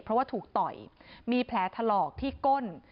เพราะว่าถูกต่อยมีแผลถลอกที่ก้น